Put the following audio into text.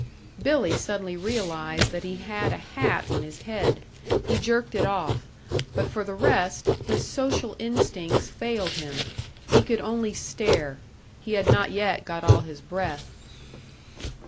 Billy suddenly realised that he had a hat on his head. He jerked it off; but for the rest, his social instincts failed him. He could only stare. He had not yet got all his breath.